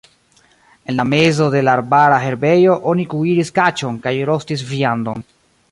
En la mezo de l' arbara herbejo oni kuiris kaĉon kaj rostis viandon.